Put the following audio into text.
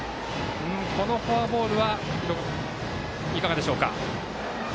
このフォアボールはいかがでしょうか。